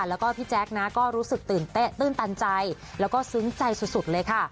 แล้วก็พี่แจ๊คนะก็รู้สึกตื่นเต้นตื้นตันใจแล้วก็ซึ้งใจสุดเลยค่ะ